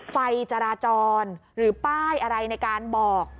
ไฟจราจรหรือป้ายอะไรในการบอก